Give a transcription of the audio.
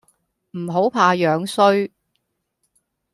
唔好怕樣衰